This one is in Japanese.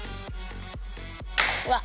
うわっ！